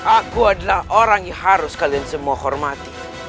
aku adalah orang yang harus kalian semua hormati